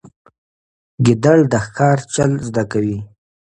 ګیدړ د ښکار چل زده کوي.